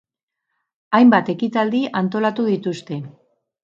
Hainbat ekitaldi antolatu dituzte.